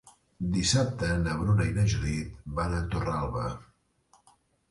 Dissabte na Bruna i na Judit van a Torralba.